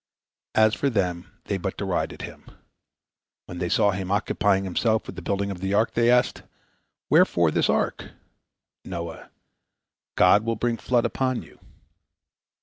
As for them, they but derided him. When they saw him occupying himself with the building of the ark, they asked, "Wherefore this ark?" Noah: "God will bring a flood upon you."